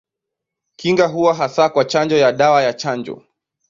Kinga huwa hasa kwa chanjo ya dawa ya chanjo.